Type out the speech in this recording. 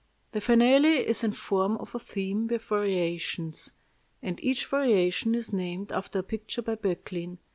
The Finale is in form a theme with variations, and each variation is named after a picture by Böcklin.